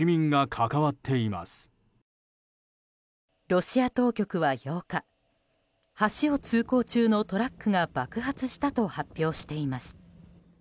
ロシア当局は８日橋を通行中のトラックが爆発したと発表しています。